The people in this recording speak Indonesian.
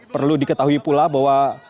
perlu diketahui pula bahwa